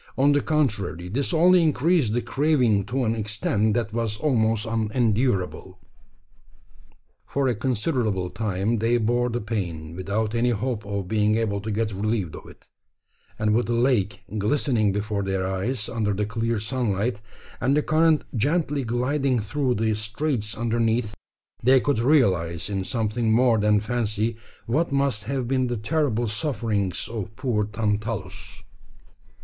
On the contrary, this only increased the craving to an extent that was almost unendurable. For a considerable time they bore the pain, without any hope of being able to get relieved of it; and with the lake glistening before their eyes under the clear sunlight, and the current gently gliding through the straits underneath, they could realise, in something more than fancy, what must have been the terrible sufferings of poor Tantalus.